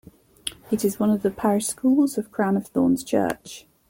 It is one of the parish schools of Crown of Thorns' Church.